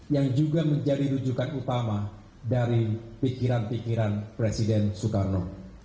yang juga menjadi rujukan utama dari pikiran pikiran presiden soekarno